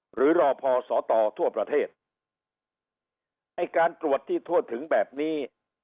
หรือรอพอสตทั่วประเทศไอ้การตรวจที่ทั่วถึงแบบนี้